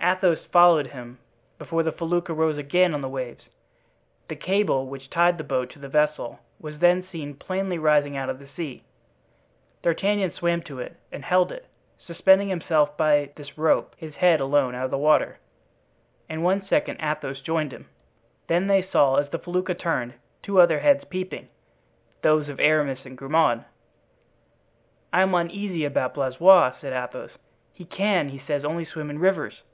Athos followed him before the felucca rose again on the waves; the cable which tied the boat to the vessel was then seen plainly rising out of the sea. D'Artagnan swam to it and held it, suspending himself by this rope, his head alone out of water. In one second Athos joined him. Then they saw, as the felucca turned, two other heads peeping, those of Aramis and Grimaud. "I am uneasy about Blaisois," said Athos; "he can, he says, only swim in rivers."